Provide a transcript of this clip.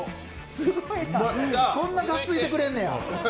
こんながっついてくれんねや。